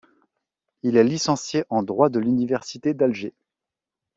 Il est licencié en droit de l'université d'Alger.